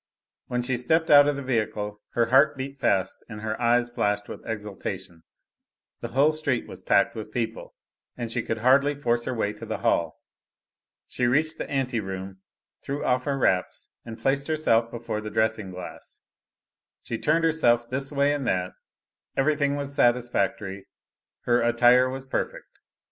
When she stepped out of the vehicle her heart beat fast and her eyes flashed with exultation: the whole street was packed with people, and she could hardly force her way to the hall! She reached the ante room, threw off her wraps and placed herself before the dressing glass. She turned herself this way and that everything was satisfactory, her attire was perfect.